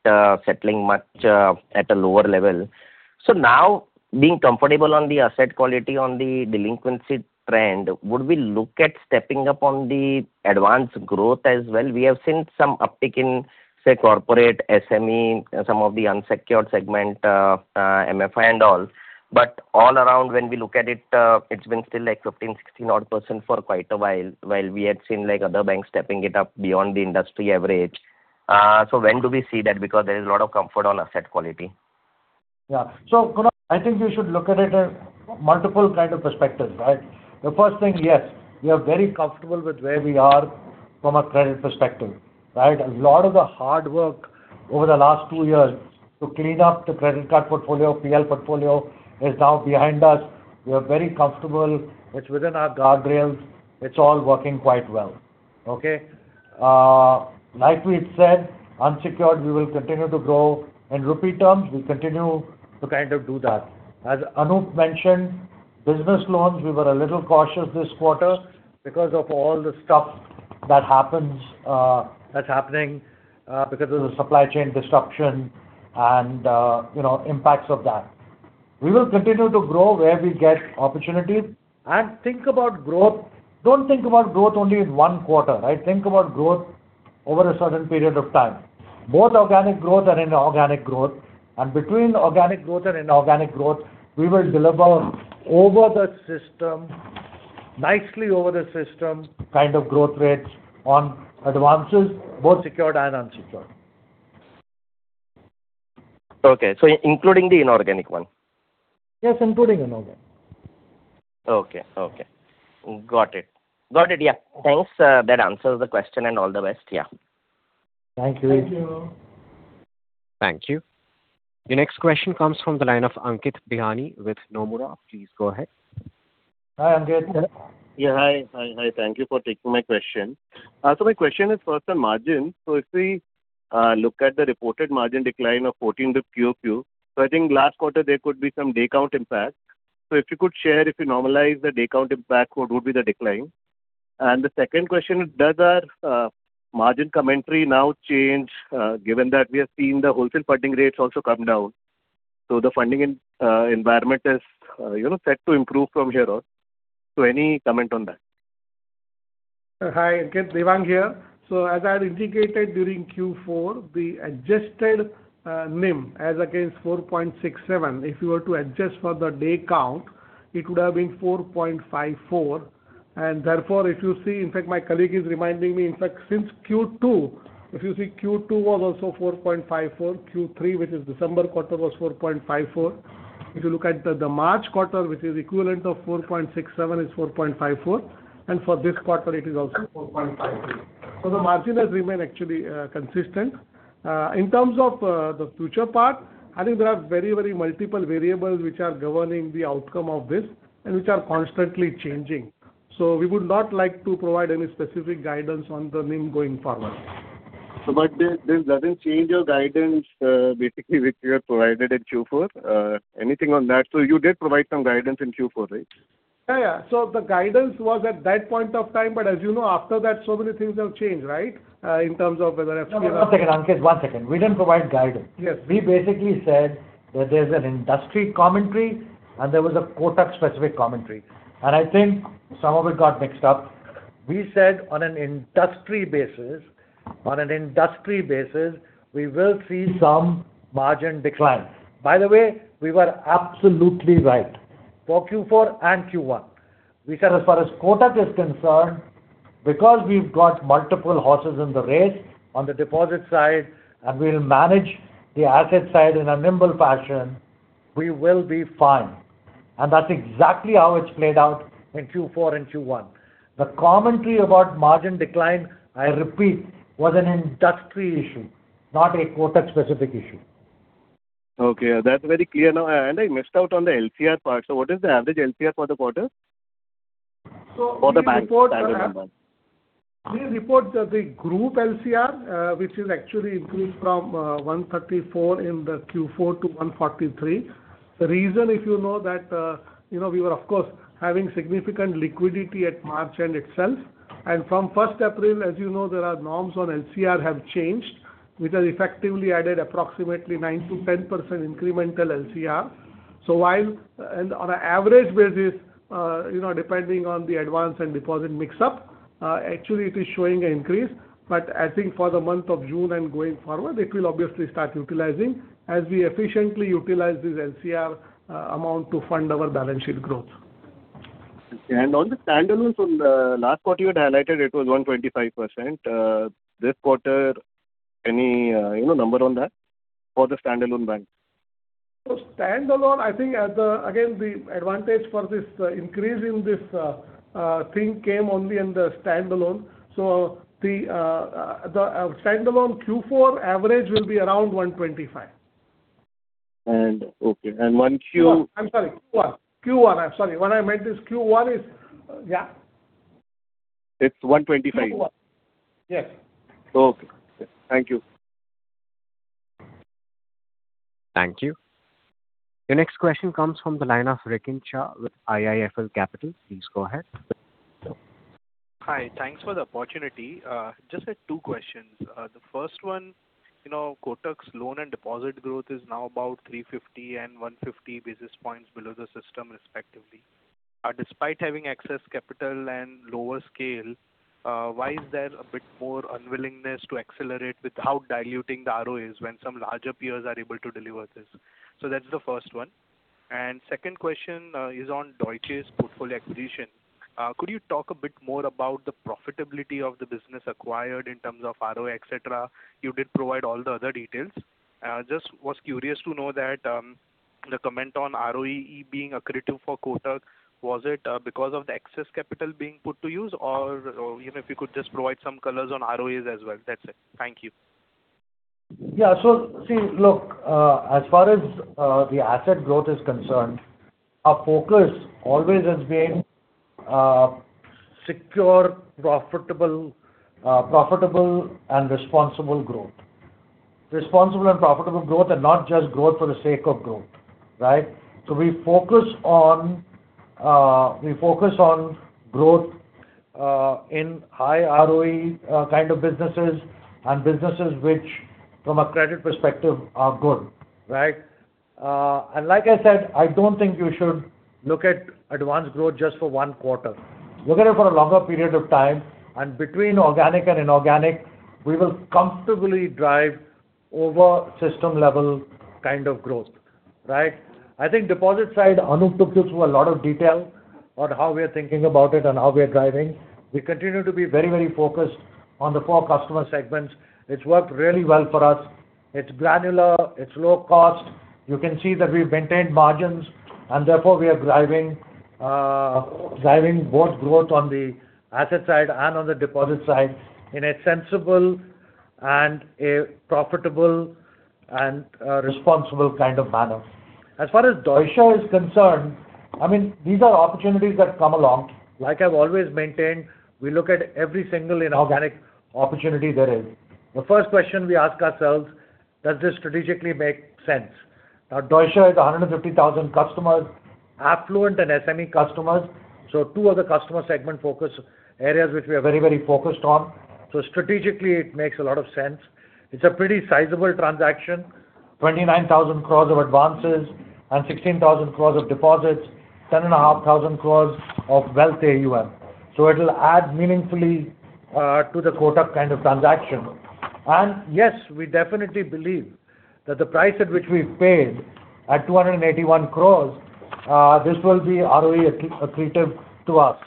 settling much at a lower level. Now being comfortable on the asset quality on the delinquency trend, would we look at stepping up on the advance growth as well? We have seen some uptick in, say, corporate, SME, some of the unsecured segment, MFI and all. All around when we look at it's been still 15%, 16% odd for quite a while we had seen other banks stepping it up beyond the industry average. When do we see that? Because there is a lot of comfort on asset quality. Kunal, I think you should look at it as multiple kind of perspectives, right? The first thing, yes, we are very comfortable with where we are from a credit perspective, right? A lot of the hard work over the last two years to clean up the credit card portfolio, PL portfolio is now behind us. We are very comfortable. It's within our guardrails. It's all working quite well. Okay? Like we've said, unsecured, we will continue to grow. In INR terms, we'll continue to kind of do that. As Anup mentioned, business loans, we were a little cautious this quarter because of all the stuff that's happening, because of the supply chain disruption and impacts of that. We will continue to grow where we get opportunities and think about growth. Don't think about growth only in one quarter, right? Think about growth over a certain period of time. Both organic growth and inorganic growth, between organic growth and inorganic growth, we will deliver nicely over the system kind of growth rates on advances, both secured and unsecured. Including the inorganic one? Including inorganic. Okay. Got it. Got it, yeah. Thanks. That answers the question and all the best, yeah. Thank you. Thank you. The next question comes from the line of Ankit Bihani with Nomura. Please go ahead. Hi, Ankit Yeah. Hi. Thank you for taking my question. My question is first on margin. If we look at the reported margin decline of 14 quarter-on-quarter. I think last quarter there could be some day count impact. If you could share, if you normalize the day count impact, what would be the decline? The second question is, does our margin commentary now change, given that we have seen the wholesale funding rates also come down? The funding environment is set to improve from here on. Any comment on that? Hi, Ankit. Devang here. As I had indicated during Q4, the adjusted NIM as against 4.67, if you were to adjust for the day count, it would have been 4.54. Therefore, if you see, in fact, my colleague is reminding me, in fact, since Q2, if you see Q2 was also 4.54, Q3, which is December quarter, was 4.54. If you look at the March quarter, which is equivalent of 4.67 is 4.54, and for this quarter it is also 4.54. The margin has remained actually consistent. In terms of the future part, I think there are very multiple variables which are governing the outcome of this and which are constantly changing. We would not like to provide any specific guidance on the NIM going forward. This doesn't change your guidance, basically, which you had provided in Q4. Anything on that? You did provide some guidance in Q4, right? Yeah. The guidance was at that point of time, but as you know, after that, so many things have changed, right? In terms of whether FRB- No, one second, Ankit, one second. We didn't provide guidance. Yes. We basically said that there's an industry commentary and there was a Kotak-specific commentary. I think some of it got mixed up. We said on an industry basis, we will see some margin decline. By the way, we were absolutely right for Q4 and Q1. We said as far as Kotak is concerned, because we've got multiple horses in the race on the deposit side, and we'll manage the asset side in a nimble fashion, we will be fine. That's exactly how it's played out in Q4 and Q1. The commentary about margin decline, I repeat, was an industry issue, not a Kotak-specific issue. Okay. That's very clear now. I missed out on the LCR part. What is the average LCR for the quarter? we report- For the bank. We report the group LCR, which is actually increased from 134% in the Q4 to 143%. The reason if you know that we were of course having significant liquidity at March end itself. From first April, as you know, there are norms on LCR have changed, which has effectively added approximately 9%-10% incremental LCR. While on an average basis, depending on the advance and deposit mix-up, actually it is showing an increase. I think for the month of June and going forward, it will obviously start utilizing as we efficiently utilize this LCR amount to fund our balance sheet growth. Okay. On the standalones from the last quarter you had highlighted it was 125%. This quarter, any number on that for the standalone bank? Standalone, I think again, the advantage for this increase in this thing came only in the standalone. The standalone Q4 average will be around 125%. Okay. When Q- No, I'm sorry. Q1. What I meant is Q1 is Yeah. It's 125%. Q1. Yes. Okay. Thank you. Thank you. The next question comes from the line of Rikin Shah with IIFL Capital. Please go ahead. Hi. Thanks for the opportunity. Just had two questions. The first one, Kotak's loan and deposit growth is now about 350 and 150 basis points below the system respectively. Despite having excess capital and lower scale, why is there a bit more unwillingness to accelerate without diluting the ROEs when some larger peers are able to deliver this? That's the first one. Second question is on Deutsche's portfolio acquisition. Could you talk a bit more about the profitability of the business acquired in terms of ROE, et cetera? You did provide all the other details. Just was curious to know that the comment on ROE being accretive for Kotak, was it because of the excess capital being put to use or even if you could just provide some colors on ROEs as well. That's it. Thank you. Yeah. See, look, as far as the asset growth is concerned, our focus always has been secure, profitable, and responsible growth. Responsible and profitable growth and not just growth for the sake of growth. Right? We focus on growth in high ROE kind of businesses and businesses which from a credit perspective are good. Right? Like I said, I don't think you should look at advance growth just for one quarter. Look at it for a longer period of time, and between organic and inorganic, we will comfortably drive over system-level kind of growth. Right? I think deposit side, Anup took you through a lot of detail on how we're thinking about it and how we're driving. We continue to be very focused on the core customer segments. It's worked really well for us. It's granular, it's low cost. You can see that we've maintained margins, therefore we are driving both growth on the asset side and on the deposit side in a sensible and a profitable and responsible kind of manner. As far as Deutsche is concerned, these are opportunities that come along. Like I've always maintained, we look at every single inorganic opportunity there is. The first question we ask ourselves, does this strategically make sense? Deutsche is 150,000 customers, affluent and SME customers. Two of the customer segment focus areas, which we are very focused on. Strategically, it makes a lot of sense. It's a pretty sizable transaction, 29,000 crores of advances and 16,000 crores of deposits, 10.5 thousand crores of wealth AUM. It'll add meaningfully to the Kotak kind of transaction. Yes, we definitely believe that the price at which we've paid at 281 crores, this will be ROE accretive to us.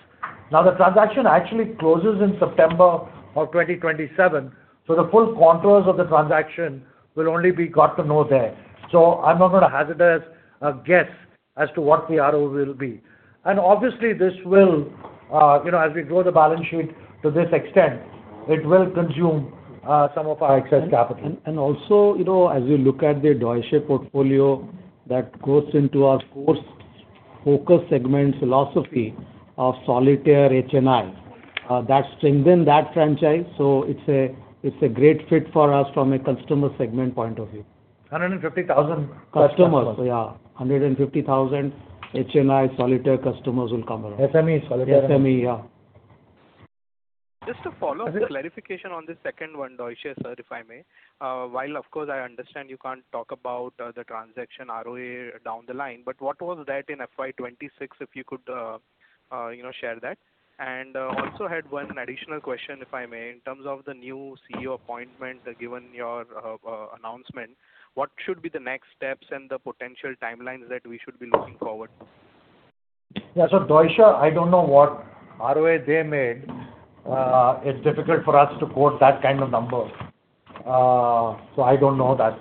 The transaction actually closes in September of 2027, the full contours of the transaction will only be got to know there. I'm not going to hazard a guess as to what the RO will be. Obviously this will, as we grow the balance sheet to this extent, it will consume some of our excess capital. Also, as we look at the Deutsche portfolio that goes into our core focus segment philosophy of Solitaire HNI, that strengthen that franchise. It's a great fit for us from a customer segment point of view. 150,000 customers. Yeah. 150,000 HNI Solitaire customers will come around. SME Solitaire. SME, yeah. Just to follow up with clarification on the second one, Deutsche. Sir, if I may. While of course, I understand you can't talk about the transaction ROA down the line, but what was that in FY 2026, if you could share that? I also had one additional question, if I may. In terms of the new CEO appointment, given your announcement, what should be the next steps and the potential timelines that we should be looking forward to? Deutsche Bank, I don't know what ROA they made. It's difficult for us to quote that kind of number. I don't know that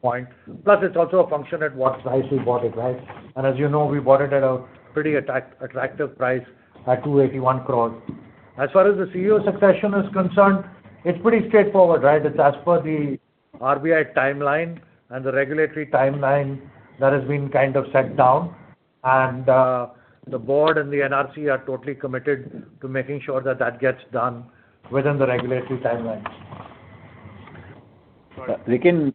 point. It's also a function at what price we bought it, right? As you know, we bought it at a pretty attractive price at 281 crore. As far as the CEO succession is concerned, it's pretty straightforward, right? It's as per the RBI timeline and the regulatory timeline that has been kind of set down, and the board and the NRC are totally committed to making sure that gets done within the regulatory timeline. Rikin,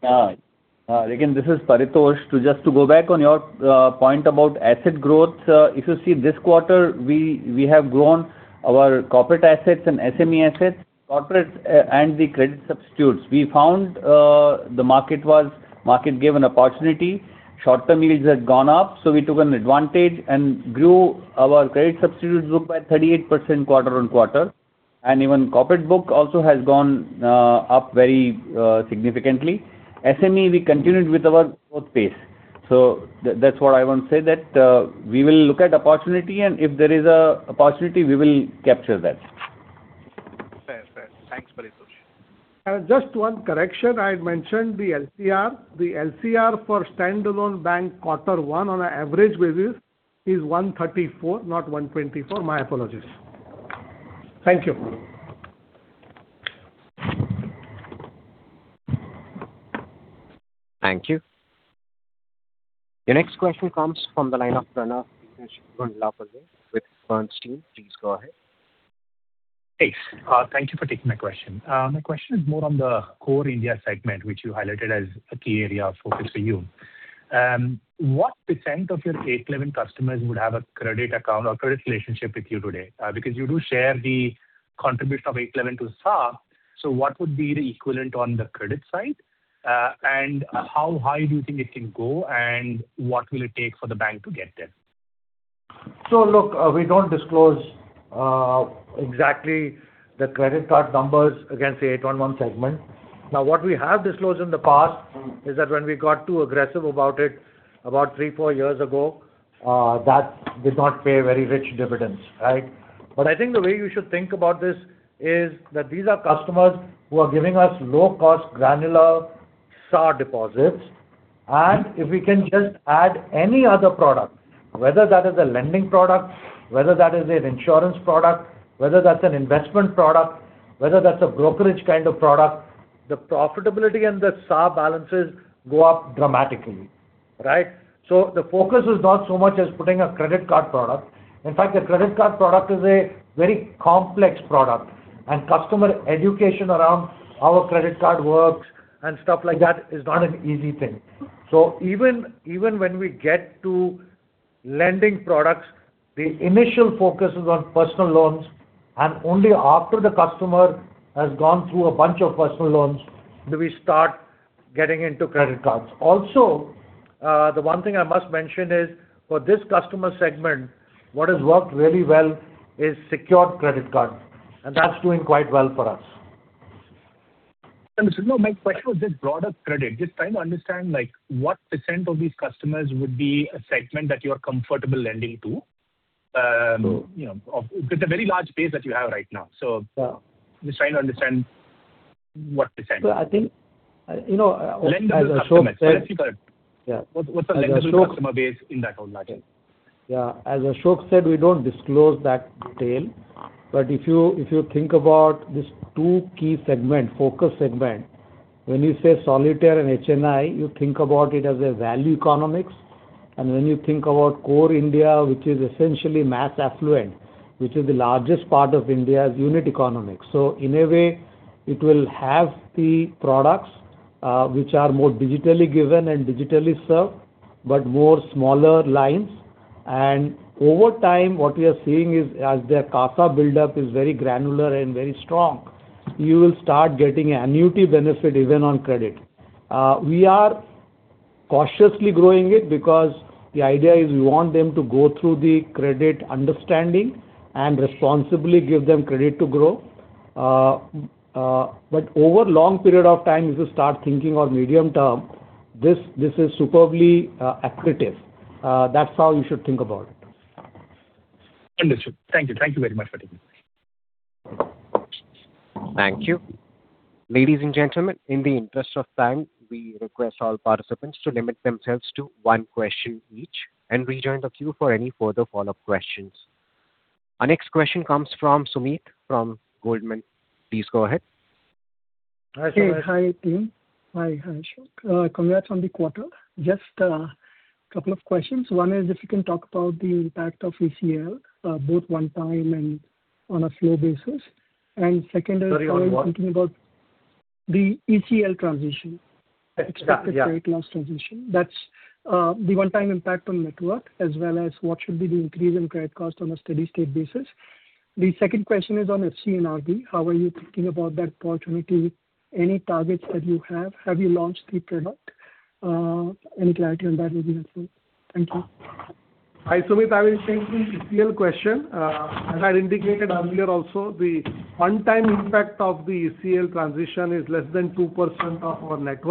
this is Paritosh. Just to go back on your point about asset growth. If you see this quarter, we have grown our corporate assets and SME assets. Corporate and the credit substitutes. We found the market gave an opportunity. Short-term yields had gone up, we took an advantage and grew our credit substitutes group by 38% quarter-on-quarter. Even corporate book also has gone up very significantly. SME, we continued with our growth pace. That's what I want to say, that we will look at opportunity, and if there is an opportunity, we will capture that. Fair. Thanks, Paritosh. Just one correction. I had mentioned the LCR. The LCR for standalone bank Q1 on an average basis is 134%, not 124%. My apologies. Thank you. Thank you. Your next question comes from the line of Pranav with Bernstein. Please go ahead. Thanks. Thank you for taking my question. My question is more on the Core India segment, which you highlighted as a key area of focus for you. What percentage of your 811 customers would have a credit account or credit relationship with you today? Because you do share the contribution of 811 to SAR. What would be the equivalent on the credit side? How high do you think it can go, and what will it take for the bank to get there? Look, we don't disclose exactly the credit card numbers against the 811 segment. What we have disclosed in the past is that when we got too aggressive about it, about three, four years ago, that did not pay very rich dividends. Right? I think the way you should think about this is that these are customers who are giving us low-cost, granular SAR deposits. If we can just add any other product, whether that is a lending product, whether that is an insurance product, whether that's an investment product, whether that's a brokerage kind of product, the profitability and the SAR balances go up dramatically. Right? The focus is not so much as putting a credit card product. In fact, a credit card product is a very complex product, and customer education around how a credit card works and stuff like that is not an easy thing. Even when we get to lending products, the initial focus is on personal loans, and only after the customer has gone through a bunch of personal loans do we start getting into credit cards. Also, the one thing I must mention is for this customer segment, what has worked really well is secured credit card, and that's doing quite well for us. No, my question was just broader credit. Just trying to understand what % of these customers would be a segment that you're comfortable lending to. Sure. With the very large base that you have right now. Just trying to understand what percentage. I think, as Ashok said. Lend to the customer. Yeah. What's the lend to the customer base in that whole market? Yeah. As Ashok said, we don't disclose that detail. If you think about these two key segment, focus segment, when you say Solitaire and HNI, you think about it as a value economics When you think about core India, which is essentially mass affluent, which is the largest part of India's unit economics. In a way, it will have the products which are more digitally given and digitally served, but more smaller lines. Over time, what we are seeing is as their CASA buildup is very granular and very strong, you will start getting annuity benefit even on credit. We are cautiously growing it because the idea is we want them to go through the credit understanding and responsibly give them credit to grow. Over a long period of time, if you start thinking on medium term, this is superbly accretive. That's how you should think about it. Understood. Thank you. Thank you very much for taking my call. Thank you. Ladies and gentlemen, in the interest of time, we request all participants to limit themselves to one question each and rejoin the queue for any further follow-up questions. Our next question comes from Sumit from Goldman. Please go ahead. Hi, Sumit. Hey. Hi, team. Hi, Ashok. Congrats on the quarter. Just a couple of questions. One is if you can talk about the impact of ECL, both one time and on a flow basis. Second is. Sorry, on what? The ECL transition. Yeah. Expected credit loss transition. That's the one-time impact on net worth, as well as what should be the increase in credit cost on a steady state basis. The second question is on FCNR. How are you thinking about that opportunity? Any targets that you have? Have you launched the product? Any clarity on that will be helpful. Thank you. Hi, Sumit. I will take the ECL question. As I indicated earlier also, the one-time impact of the ECL transition is less than 2% of our net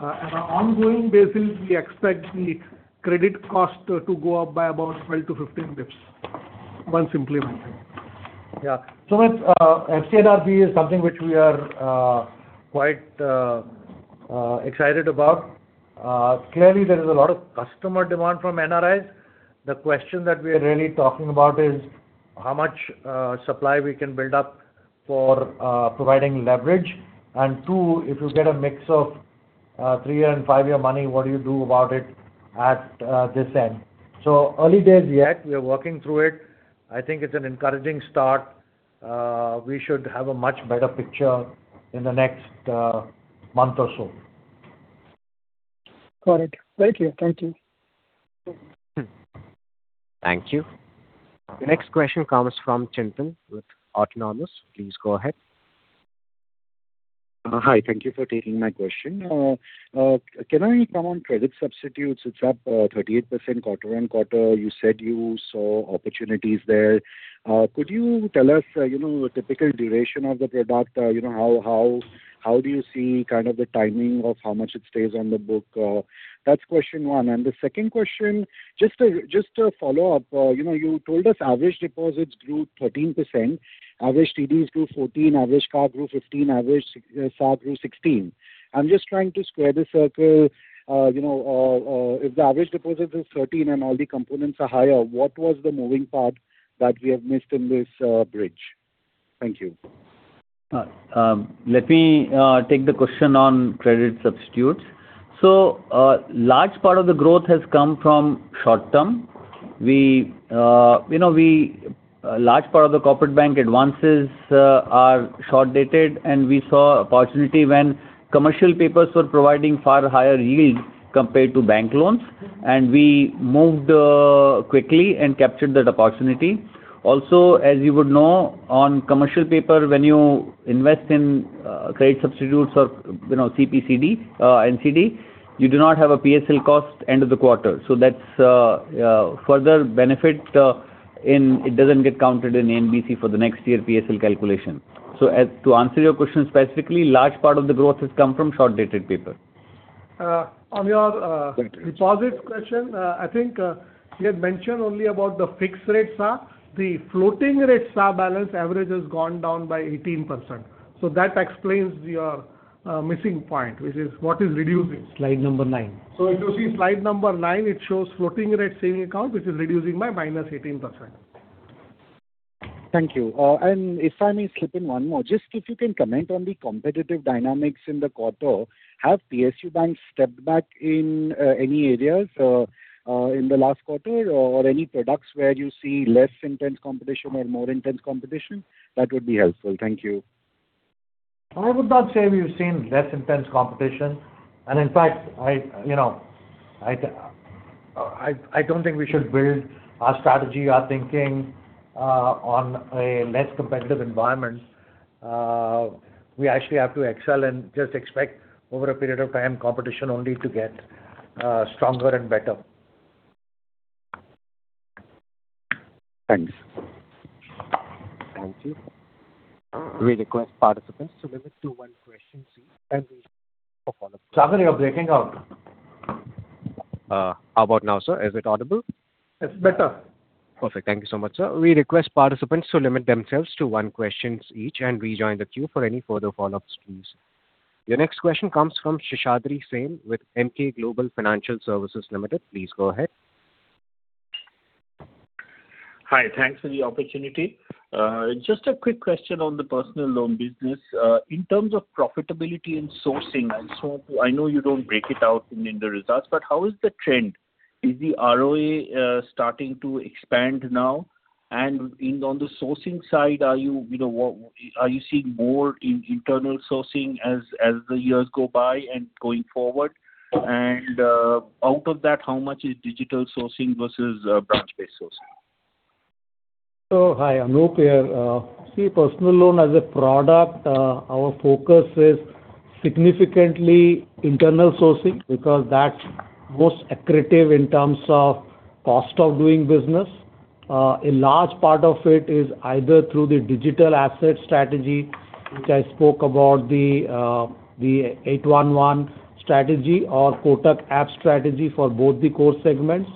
worth. On an ongoing basis, we expect the credit cost to go up by about 12 to 15 bps once implemented. Yeah. Sumit, FCNR is something which we are quite excited about. Clearly, there is a lot of customer demand from NRIs. The question that we are really talking about is how much supply we can build up for providing leverage. Two, if you get a mix of three-year and five-year money, what do you do about it at this end? Early days yet, we are working through it. I think it's an encouraging start. We should have a much better picture in the next month or so. Got it. Thank you. Thank you. The next question comes from Chintan with Autonomous. Please go ahead. Hi. Thank you for taking my question. Can I come on credit substitutes? It's up 38% quarter-on-quarter. You said you saw opportunities there. Could you tell us a typical duration of the product? How do you see the timing of how much it stays on the book? That's question one. The second question, just to follow up. You told us average deposits grew 13%, average TDs grew 14%, average card grew 15%, average SAV grew 16%. I'm just trying to square the circle. If the average deposit is 13% and all the components are higher, what was the moving part that we have missed in this bridge? Thank you. Let me take the question on credit substitutes. A large part of the growth has come from short-term. A large part of the corporate bank advances are short-dated, and we saw opportunity when commercial papers were providing far higher yield compared to bank loans, and we moved quickly and captured that opportunity. Also, as you would know, on commercial paper, when you invest in credit substitutes or CP/CD, NCD, you do not have a PSL cost end of the quarter. That's a further benefit and it doesn't get counted in ANBC for the next year PSL calculation. To answer your question specifically, large part of the growth has come from short-dated paper. On your deposit question, I think we had mentioned only about the fixed rate SAV. The floating rate SAV balance average has gone down by 18%. That explains your missing point, which is what is reducing. Slide number nine. If you see slide number nine, it shows floating rate Savings Account, which is reducing by -18%. Thank you. If I may slip in one more, just if you can comment on the competitive dynamics in the quarter. Have PSU banks stepped back in any areas in the last quarter or any products where you see less intense competition or more intense competition? That would be helpful. Thank you. I would not say we've seen less intense competition. In fact, I don't think we should build our strategy, our thinking, on a less competitive environment. We actually have to excel and just expect over a period of time competition only to get stronger and better. Thanks. Thank you. We request participants to limit to one question each and rejoin the queue for follow-up. Chhagan, you're breaking out. How about now, sir? Is it audible? It's better. Perfect. Thank you so much, sir. We request participants to limit themselves to one question each and rejoin the queue for any further follow-ups, please. Your next question comes from Seshadri Sen with Emkay Global Financial Services Limited. Please go ahead. Hi. Thanks for the opportunity. Just a quick question on the personal loan business. In terms of profitability and sourcing, I know you don't break it out in the results, but how is the trend? Is the ROA starting to expand now? On the sourcing side, are you seeing more internal sourcing as the years go by and going forward? Out of that, how much is digital sourcing versus branch-based sourcing? Hi, Anup here. Personal loan as a product, our focus is significantly internal sourcing because that's most accretive in terms of cost of doing business. A large part of it is either through the digital asset strategy, which I spoke about the 811 strategy or Kotak app strategy for both the core segments,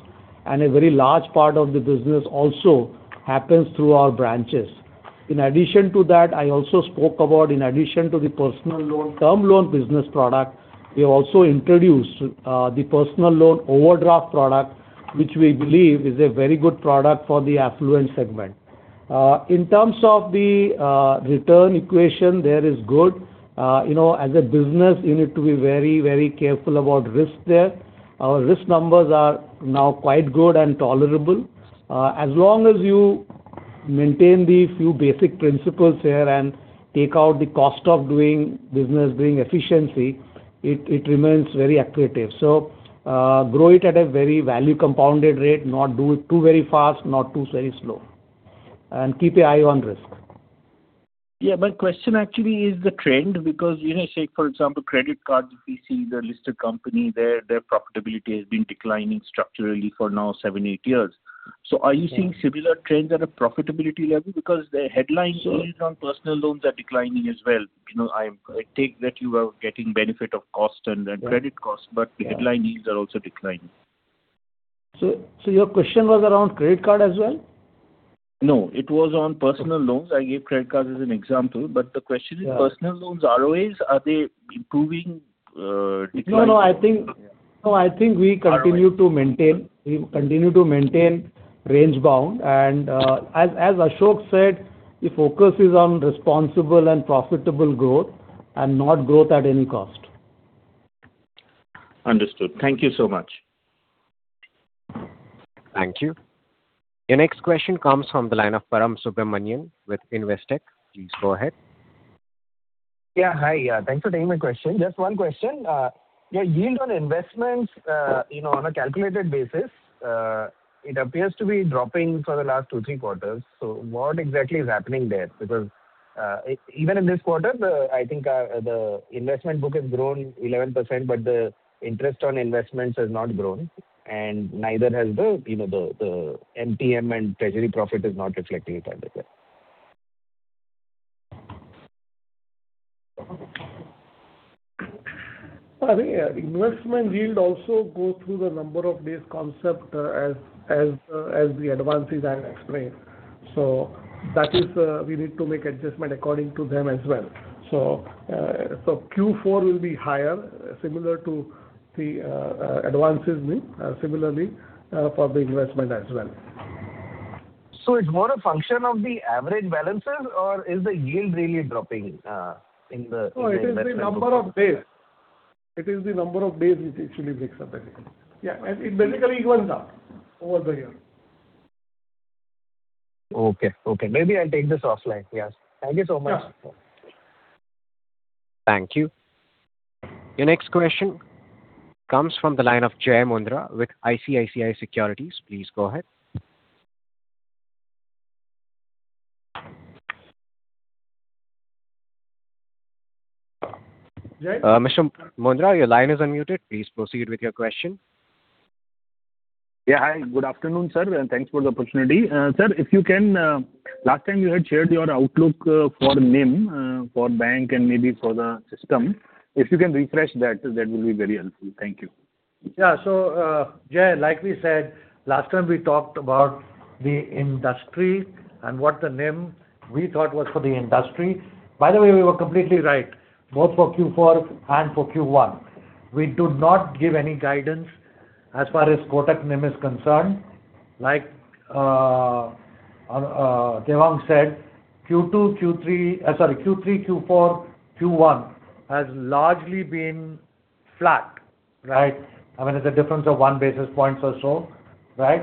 and a very large part of the business also happens through our branches. In addition to that, I also spoke about in addition to the personal loan term loan business product, we have also introduced the personal loan overdraft product, which we believe is a very good product for the affluent segment. In terms of the return equation, there is good. As a business, you need to be very careful about risk there. Our risk numbers are now quite good and tolerable. As long as you maintain the few basic principles here and take out the cost of doing business, doing efficiency, it remains very accretive. Grow it at a very value compounded rate, not do it too very fast, not too very slow. Keep your eye on risk. My question actually is the trend because, say for example, credit cards, we see the listed company, their profitability has been declining structurally for now seven, eight years. Are you seeing similar trends at a profitability level? Because the headline yields on personal loans are declining as well. I take that you are getting benefit of cost and credit costs, but the headline yields are also declining. Your question was around credit card as well? No, it was on personal loans. I gave credit cards as an example, but the question is personal loans ROAs, are they improving, declining? No, I think we continue to maintain range bound and as Ashok said, the focus is on responsible and profitable growth and not growth at any cost. Understood. Thank you so much. Thank you. Your next question comes from the line of Param Subramanian with Investec. Please go ahead. Hi. Thanks for taking my question. Just one question. Your yield on investments, on a calculated basis, it appears to be dropping for the last two, three quarters. What exactly is happening there? Because even in this quarter, I think the investment book has grown 11%, but the interest on investments has not grown and neither has the MTM and treasury profit is not reflecting it either there. I think investment yield also goes through the number of days concept as the advances I explained. That is, we need to make adjustment according to them as well. Q4 will be higher similar to the advances similarly for the investment as well. It's more a function of the average balances or is the yield really dropping in the investment? No, it is the number of days. It is the number of days which actually makes up everything. It basically evens out over the year. Okay. Maybe I'll take this offline. Yes. Thank you so much. Yeah. Thank you. Your next question comes from the line of Jai Mundhra with ICICI Securities. Please go ahead. Mr. Mundhra, your line is unmuted. Please proceed with your question. Yeah. Hi. Good afternoon, sir. Thanks for the opportunity. Sir, last time you had shared your outlook for NIM for Kotak Mahindra Bank and maybe for the system. If you can refresh that will be very helpful. Thank you. Yeah. Jai, like we said, last time we talked about the industry and what the NIM we thought was for the industry. By the way, we were completely right, both for Q4 and for Q1. We do not give any guidance as far as Kotak NIM is concerned. Like Devang said Q2, Q3 Sorry. Q3, Q4, Q1 has largely been flat. Right? I mean, it's a difference of one basis point or so. Right?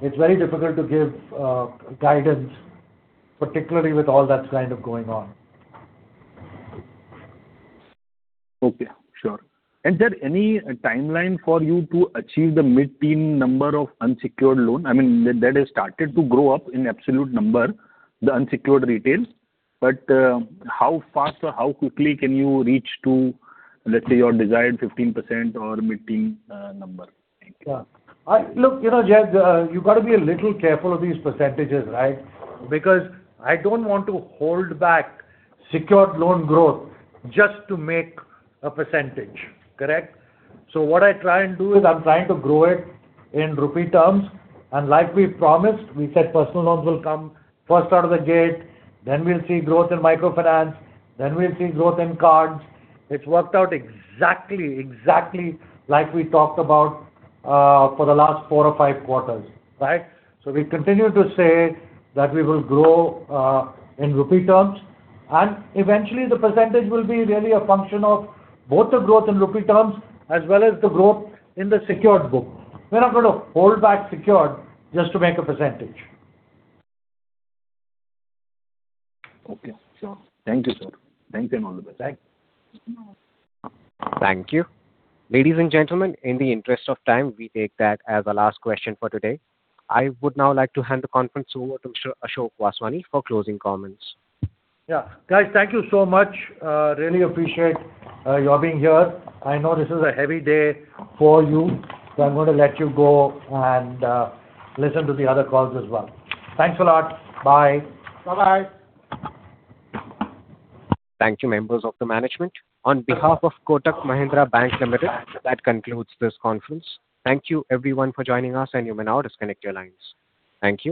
It's very difficult to give guidance, particularly with all that's kind of going on. Okay. Sure. Sir any timeline for you to achieve the mid-teen number of unsecured loan? I mean, that has started to grow up in absolute number, the unsecured retails. How fast or how quickly can you reach to, let's say, your desired 15% or mid-teen number? Thank you. Look Jai, you got to be a little careful of these percentages, right? I don't want to hold back secured loan growth just to make a percentage. Correct? What I try and do is I'm trying to grow it in rupee terms, like we promised, we said personal loans will come first out of the gate, then we'll see growth in microfinance, then we'll see growth in cards. It's worked out exactly like we talked about for the last four or five quarters. Right? We continue to say that we will grow in rupee terms, eventually the percentage will be really a function of both the growth in rupee terms as well as the growth in the secured book. We're not going to hold back secured just to make a percentage. Okay. Sure. Thank you, sir. Thanks and all the best. Thanks. Thank you. Ladies and gentlemen, in the interest of time, we take that as our last question for today. I would now like to hand the conference over to Ashok Vaswani for closing comments. Yeah. Guys, thank you so much. Really appreciate your being here. I know this is a heavy day for you, so I'm going to let you go and listen to the other calls as well. Thanks a lot. Bye. Bye-bye. Thank you, members of the management. On behalf of Kotak Mahindra Bank Limited, that concludes this conference. Thank you everyone for joining us, and you may now disconnect your lines. Thank you.